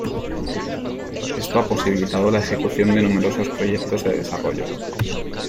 Esto ha posibilitado la ejecución de numerosos proyectos de desarrollo.